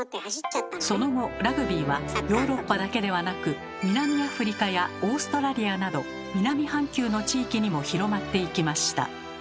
その後ラグビーはヨーロッパだけではなく南アフリカやオーストラリアなど南半球の地域にも広まっていきました。